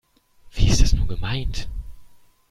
Wie ist das nur gemeint?